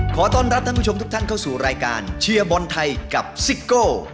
ขอต้อนรับท่านผู้ชมทุกท่านเข้าสู่รายการเชียร์บอลไทยกับซิโก้